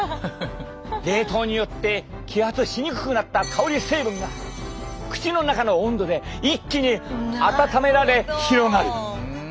冷凍によって揮発しにくくなった香り成分が口の中の温度で一気にあたためられ広がる。